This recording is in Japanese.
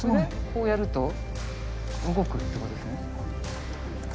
こうやると動くってことですね。